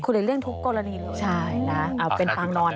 ควรหลีกเลี่ยงทุกกรณีเลยใช่นะเป็นปางนอน